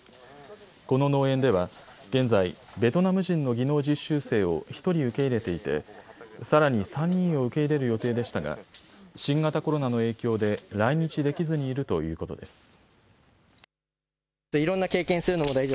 この農園では現在、ベトナム人の技能実習生を１人受け入れていてさらに３人を受け入れる予定でしたが新型コロナの影響で来日できずにいるということです。